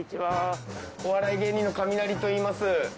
お笑い芸人のカミナリといいます。